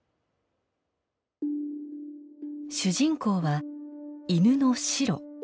主人公は犬のシロ。